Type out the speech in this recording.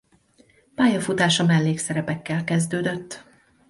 Pályafutása mellékszerepekkel kezdődött.